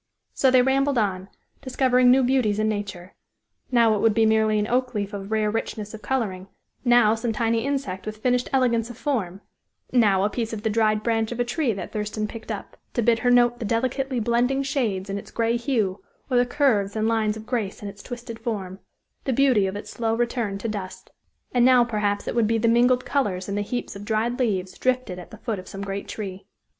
So they rambled on, discovering new beauties in nature; now it would be merely an oak leaf of rare richness of coloring; now some tiny insect with finished elegance of form; now a piece of the dried branch of a tree that Thurston picked up, to bid her note the delicately blending shades in its gray hue, or the curves and lines of grace in its twisted form the beauty of its slow return to dust; and now perhaps it would be the mingled colors in the heaps of dried leaves drifted at the foot of some great tree.